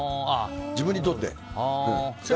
自分にとって。